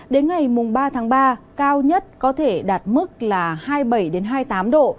đến ngày ba ba cao nhất có thể đạt mức hai mươi bảy hai mươi tám độ